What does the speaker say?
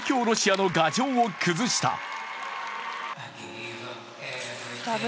ロシアの牙城を崩した。